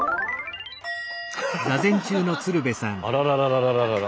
あらららららららら。